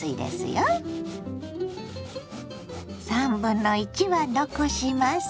３分の１は残します。